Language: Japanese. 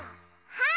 はい。